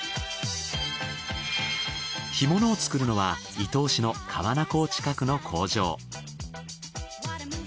干物を作るのは伊東市の川奈港近くの工場。